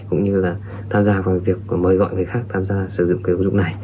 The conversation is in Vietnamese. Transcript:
cũng như là tham gia vào việc mời gọi người khác tham gia sử dụng cái ứng dụng này